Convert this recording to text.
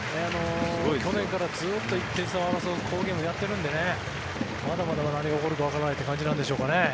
去年からずっと１点差を争う好ゲームをやっているのでまだまだ何が起こるかわからないという感じですかね。